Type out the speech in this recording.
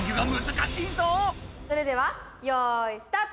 それではよいスタート！